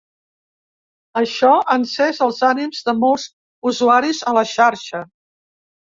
Això ha encès els ànims de molts usuaris a la xarxa.